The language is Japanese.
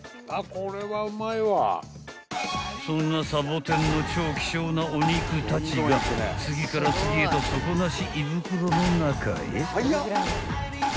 ［そんなさぼてんの超希少なお肉たちが次から次へと底なし胃袋の中へ］